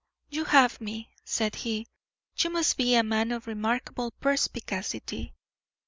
"You have me," said he; "you must be a man of remarkable perspicacity."